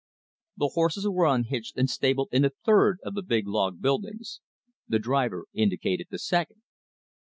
The horses were unhitched, and stabled in the third of the big log buildings. The driver indicated the second.